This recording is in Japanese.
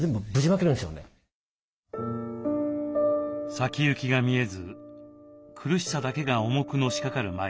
先行きが見えず苦しさだけが重くのしかかる毎日。